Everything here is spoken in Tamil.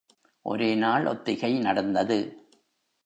ஒரே நாள் ஒத்திகை நடந்தது.